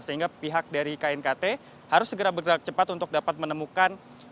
sehingga pihak dari knkt harus segera bergerak cepat untuk dapat menemukan